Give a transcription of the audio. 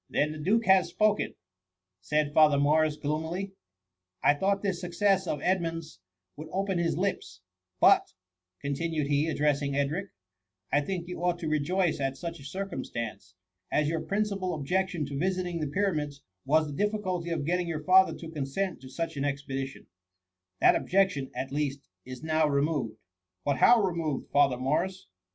*'Then the duke has spoken," said Father Morris^ gloomily ;^' I thought tliis success of Edmund's would open his lips ; but," continued he, addressing Edric, ^^ I think you ought to rejoice at such a circumstance, as yoiir princi pal objection to visiting the pyramids, was the diflSculty of getting your father to consent to such an expedition ; that objection, at least, is now removed." 110 THE MVMMT. *• But how removed, Father Morris